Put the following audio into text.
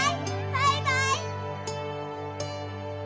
バイバイ！